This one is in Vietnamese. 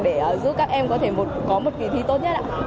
để giúp các em có thể có một kỳ thi tốt nhất ạ